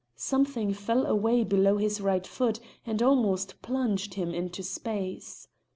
Something fell away below his right foot and almost plunged him into space.